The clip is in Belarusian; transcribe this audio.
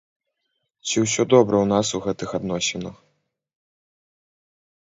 Ці ўсё добра ў нас у гэтых адносінах?